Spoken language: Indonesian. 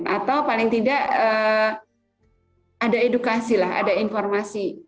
atau paling tidak ada edukasi ada informasi dari pemerintah